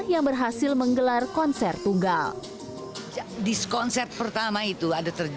yang berhasil menerima pembahasan